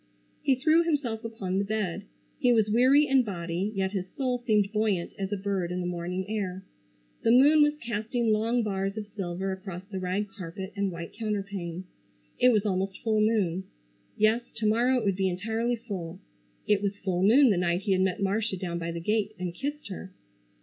He threw himself upon the bed. He was weary in body yet his soul seemed buoyant as a bird in the morning air. The moon was casting long bars of silver across the rag carpet and white counterpane. It was almost full moon. Yes, to morrow it would be entirely full. It was full moon the night he had met Marcia down by the gate, and kissed her.